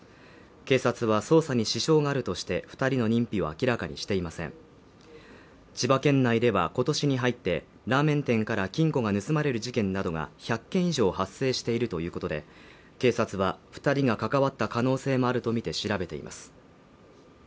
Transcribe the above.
警察は捜査に支障があるとして二人の認否は明らかにしていません千葉県内では今年に入ってラーメン店から金庫が盗まれる事件などが１００件以上発生しているということで警察は二人が関わった可能性もあるとみて調べています